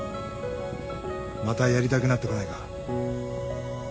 またやりたくなってこないか？